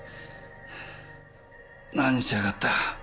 何しやがった？